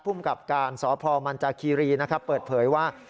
พุ่มกับการศมันจาคีรีเปิดเผยว่า